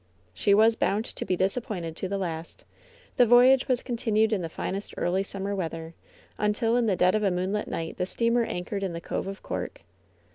She was bound to be disappointed to the last. The voyage was continued in the finest early summer weather, until in the dead of a moonlight night the steamer an chored in the Cove of Cork.